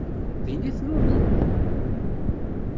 Din i tluleḍ?